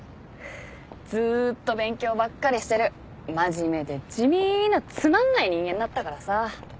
ずーっと勉強ばっかりしてる真面目で地味なつまんない人間だったからさ。